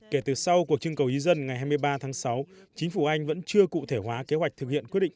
kể từ sau cuộc trưng cầu ý dân ngày hai mươi ba tháng sáu chính phủ anh vẫn chưa cụ thể hóa kế hoạch thực hiện quyết định